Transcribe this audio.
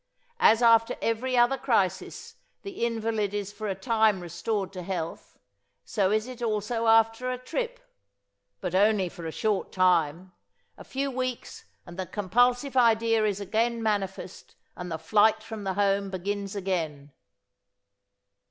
As after every other crisis the invalid is for a time restored to health, so is it also after a trip. But only for a short time. A few weeks and the compulsive idea is again manifest and the flight from the home begins again."